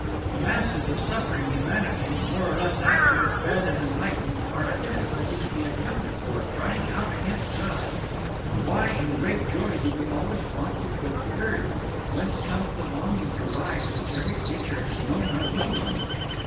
The masses of suffering humanity, more or less active, fed, and enlightened, are a difficulty to be accounted for, crying out against God. "Why in great joy do we always want to quit the earth? whence comes the longing to rise which every creature has known or will know?